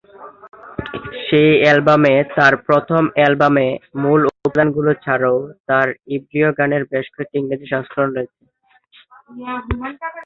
সেই অ্যালবামে তার প্রথম অ্যালবামে মূল উপাদানগুলো ছাড়াও তার ইব্রীয় গানের বেশ কয়েকটি ইংরেজি সংস্করণ রয়েছে।